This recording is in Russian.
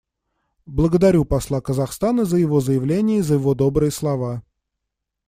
Благодарю посла Казахстана за его заявление и за его добрые слова.